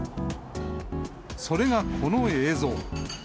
それがこの映像。